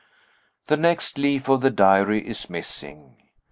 The next leaf of the Diary is missing.